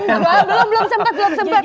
belum belum sempat belum sempat